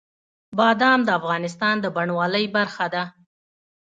بادام د افغانستان د بڼوالۍ برخه ده.